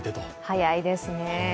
早いですね。